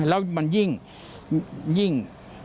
แล้วมันยิ่งยิ่ง